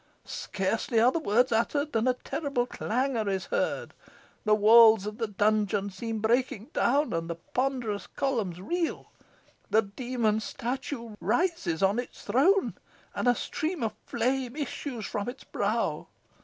Scarcely are the words uttered than a terrible clangour is heard. The walls of the dungeon seem breaking down, and the ponderous columns reel. The demon statue rises on its throne, and a stream of flame issues from its brow.